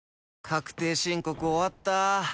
確定申告終わった。